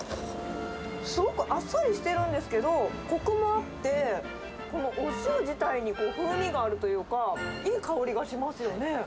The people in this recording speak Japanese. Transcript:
すごくあっさりしてるんですけど、こくもあって、このお塩自体に風味があるというか、いい香りがしますよね。